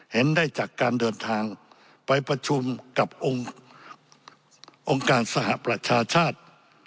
เห็นได้จากการเดินทางไปประชุมกับองค์การสหประชาชาติ